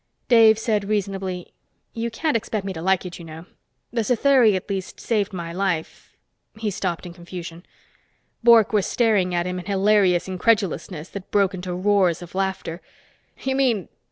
Dave said reasonably, "You can't expect me to like it, you know. The Satheri, at least, saved my life " He stopped in confusion. Bork was staring at him in hilarious incredulousness that broke into roars of laughter. "You mean